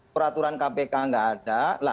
peraturan kpk nggak ada